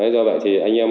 do vậy thì anh em